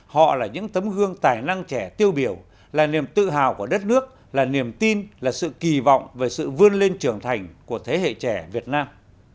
họ là những tấm gương tài năng trẻ tiêu biểu là niềm tự hào của đất nước là niềm tin là sự kỳ vọng về sự vươn lên trưởng thành của thế hệ trẻ việt nam